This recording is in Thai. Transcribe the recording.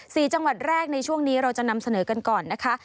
จังหวัดแรกในช่วงนี้เราจะนำเสนอกันก่อนนะคะ